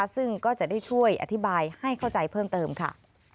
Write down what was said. ซึ่งก็จะได้ช่วยอธิบายให้เข้าใจเพิ่มเติมค่ะ